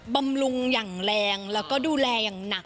บำรุงอย่างแรงแล้วก็ดูแลอย่างหนัก